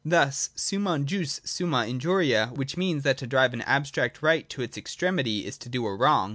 Thus summum jus sumtna injuria : which means, that to drive an abstract right to its extremity is to do a wrong.